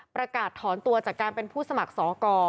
ประกาศถอนตัวจากการเป็นผู้สมัครสอกร